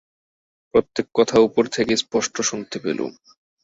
প্রত্যেক কথা উপর থেকে স্পষ্ট শুনতে পেলুম।